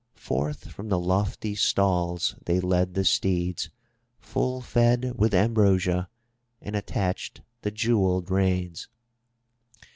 Forth from the lofty stalls they led the steeds, full fed with ambrosia, and attached the jewelled reins.